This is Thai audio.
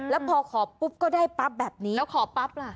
แล้วพอขอปุ๊บก็ได้ปั๊บแบบนี้แล้วขอปั๊บล่ะ